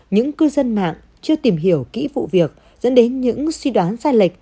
những cư dân mạng chưa tìm hiểu kỹ vụ việc dẫn đến những suy đoán sai lệch